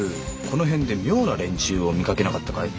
この辺で妙な連中を見かけなかったかい？